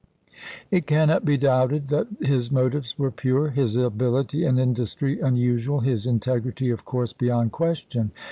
It cannot be doubted that his motives were pure, his ability and industry unusual, his integrity, of course, beyond question.